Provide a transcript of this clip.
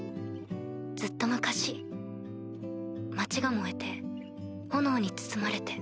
ずっと昔町が燃えて炎に包まれて。